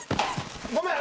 ごめん。